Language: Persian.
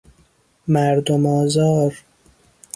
مردم آزار